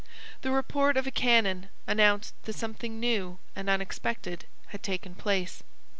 The report of a cannon announced that something new and unexpected had taken place.